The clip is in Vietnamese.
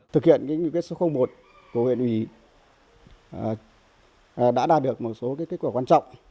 thực hiện những kết số một của huyện ủy đã đạt được một số kết quả quan trọng